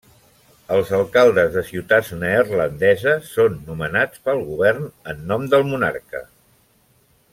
Els alcaldes de ciutats neerlandeses són nomenats pel govern en nom del monarca.